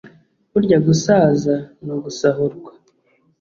burya gusaza ni ugusahurwa